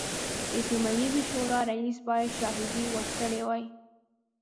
د سیمه ییزې شورا رییس باید شاهدې ورکړي وای.